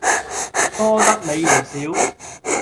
多得你唔少